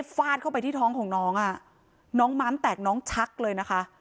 ฟาดเข้าไปที่ท้องของน้องอ่ะน้องม้ามแตกน้องชักเลยนะคะ